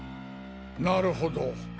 なるほど。